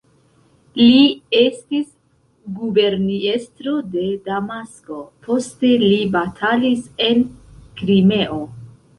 Li estis guberniestro de Damasko, poste li batalis en Krimeo.